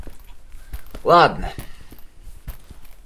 Ладно!